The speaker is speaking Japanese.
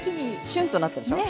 しゅんとなったでしょ。